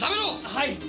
はい！